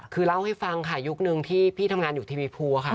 คือเล่าให้ฟังค่ะยุคนึงที่พี่ทำงานอยู่ทีวีภูค่ะ